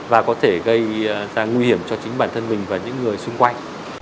và có thể gây ra nguy hiểm cho chính bản thân mình và những người xung quanh